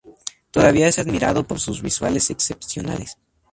Todavía es admirado por sus visuales excepcionales.